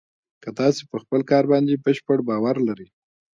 که تاسې په خپل کار باندې بشپړ باور لرئ